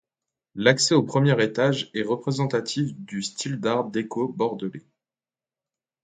L'accès au premier étage est représentatif du style art déco bordelais.